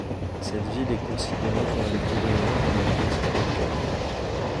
Cette ville est considérée par les Coréens comme une petite bourgade.